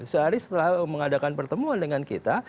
sehari setelah mengadakan pertemuan dengan kita